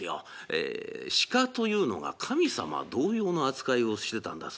ええ鹿というのが神様同様の扱いをしてたんだそうです。